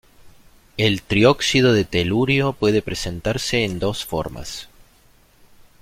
El trióxido de telurio puede presentarse en dos formas.